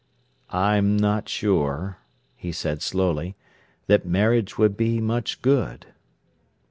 "I'm not sure," he said slowly, "that marriage would be much good."